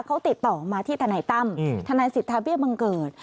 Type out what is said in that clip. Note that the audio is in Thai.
เขาติดต่อมาที่ทนายตั้มทนายสิทธาเบี้ยบังเกิด